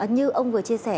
như ông vừa chia sẻ